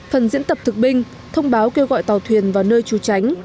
phần diễn tập thực binh thông báo kêu gọi tàu thuyền vào nơi trú tránh